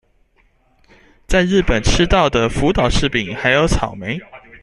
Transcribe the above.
在日本吃到的福島柿餅還有草莓